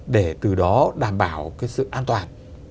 để từ đó đảm bảo cái sự an toàn